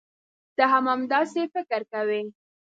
ته هم همداسې فکر کوې.